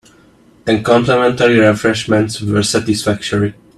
The complimentary refreshments were satisfactory.